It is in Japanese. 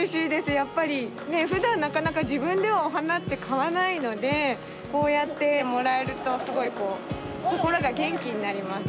やっぱり、ふだん、なかなか自分ではお花って買わないので、こうやってもらえると、すごいこう、心が元気になります。